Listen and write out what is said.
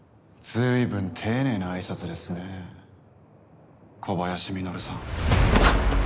随分丁寧な挨拶ですね小林実さん。